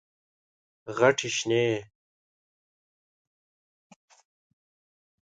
غټي شنې،